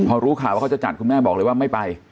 พอรู้ข่าวว่าเขาจะจัดคุณแม่บอกเลยว่าไม่ไป